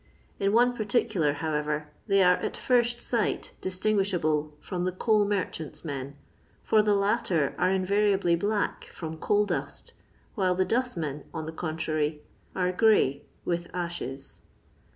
In one particular, however, they are at first sight distinguishable from the coal merchants' men, for the latter are invariably black from coal dust, while the dust men, on the contrary, are gray with ashes.